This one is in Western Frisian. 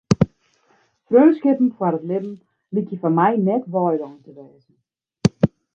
Freonskippen foar it libben lykje foar my net weilein te wêze.